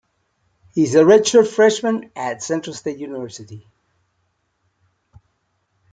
He is a redshirt freshman at Central State University.